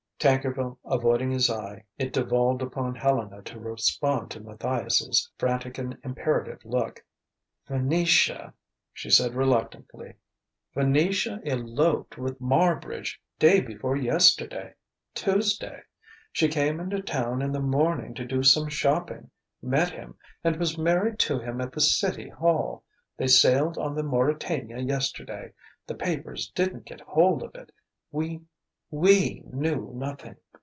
Tankerville avoiding his eye, it devolved upon Helena to respond to Matthias's frantic and imperative look. "Venetia," she said reluctantly "Venetia eloped with Marbridge day before yesterday Tuesday. She came in town in the morning to do some shopping, met him and was married to him at the City Hall. They sailed on the Mauretania yesterday. The papers didn't get hold of it we knew nothing!